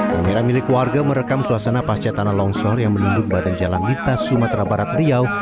kamera milik warga merekam suasana pasca tanah longsor yang menimbun badan jalan lintas sumatera barat riau